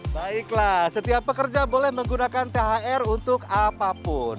baiklah setiap pekerja boleh menggunakan thr untuk apapun